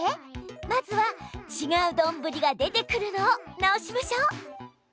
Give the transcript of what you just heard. まずはちがうどんぶりが出てくるのを直しましょう！